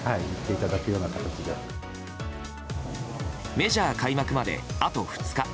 メジャー開幕まであと２日。